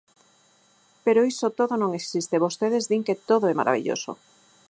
Pero iso todo non existe, vostedes din que todo é marabilloso.